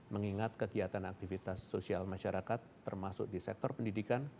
mengingat kegiatan aktivitas sosial masyarakat termasuk di sektor pendidikan